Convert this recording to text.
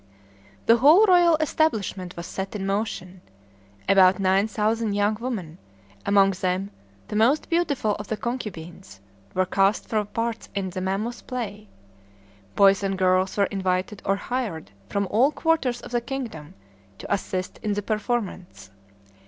The whole royal establishment was set in motion. About nine thousand young women, among them the most beautiful of the concubines, were cast for parts in the mammoth play. Boys and girls were invited or hired from all quarters of the kingdom to "assist" in the performance.